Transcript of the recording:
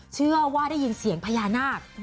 เชื่อว่าได้ยินเสียงพญานาค